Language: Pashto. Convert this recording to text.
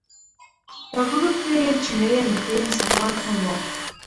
په ګروپ کې یو چینایي امریکایي مسلمان هم و.